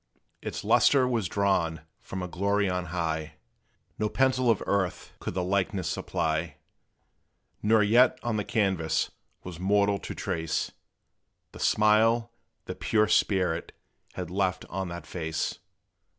Its lustre was drawn from a glory on high: No pencil of earth could the likeness supply; Nor yet on the canvass was mortal to trace A smile the pure spirit had left on that face.